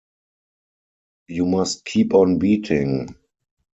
You must keep on beating.